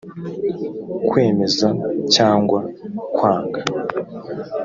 kwemeza cyangwa kwanga